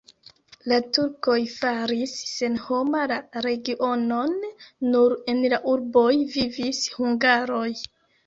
La turkoj faris senhoma la regionon, nur en la urboj vivis hungaroj.